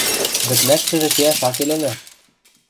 Вӹтлӓшкӹжӹ кеӓш ак кел ыльы...